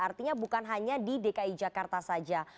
artinya bukan hanya di dki jakarta saja